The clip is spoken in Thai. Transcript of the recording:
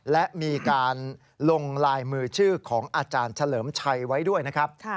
และมีการลงลายมือชื่อของอาจารย์เฉลิมชัยไว้ด้วยนะครับ